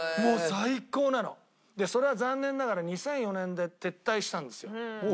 それは残念ながら２００４年で撤退したんですよ。